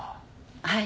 はい。